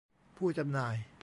ผู้จำหน่าย